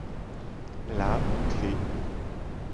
La clef.